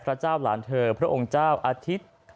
พระเจ้าหลานเธอพระองค์เจ้าอธิตยธรรมกิติคุณ